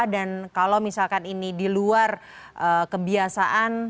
dan kalau misalkan ini di luar kebiasaan